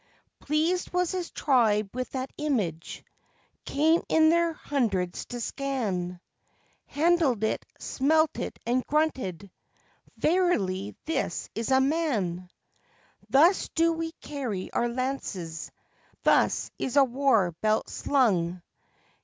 _ Pleased was his tribe with that image came in their hundreds to scan Handled it, smelt it, and grunted: "Verily, this is a man! Thus do we carry our lances thus is a war belt slung.